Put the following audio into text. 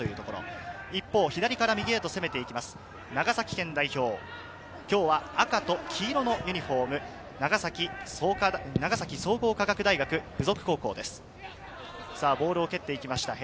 左から右へ攻めて行きます、長崎県代表、今日は赤と黄色のユニホーム、長崎総合科学大学附属高校です。